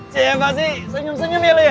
siapa sih senyum senyum ya lo ya